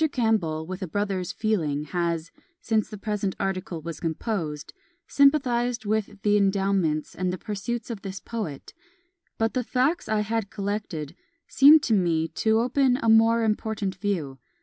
Campbell, with a brother's feeling, has (since the present article was composed) sympathised with the endowments and the pursuits of this poet; but the facts I had collected seemed to me to open a more important view.